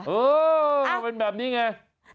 เออมันแบบนี้ไงอ้าว